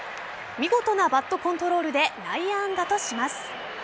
見事なバットコントロールで内野安打とします。